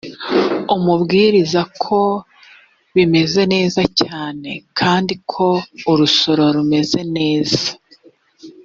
umubwire ko bimeze neza cyanekandi ko urusoro rumeze neza